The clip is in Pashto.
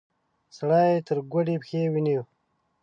سړی يې تر ګوډې پښې ونيو.